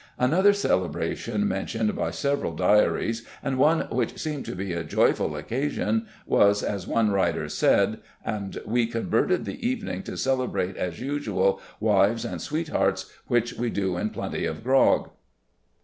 Another celebration mentioned by several diaries and one which seemed to be a joyful occasion was as one writer said "and (we) convert(ed) the evening to celebrate as usual wives and sweethearts which we do in plenty of grog".